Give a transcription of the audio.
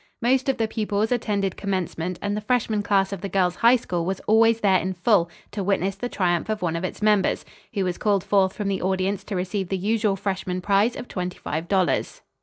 Most of the pupils attended commencement and the freshman class of the Girls' High School was always there in full to witness the triumph of one of its members, who was called forth from the audience to receive the usual freshman prize of twenty five dollars.